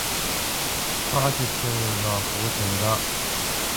Pâ tə́tyá ghəgha pwǒ təŋgáʼ.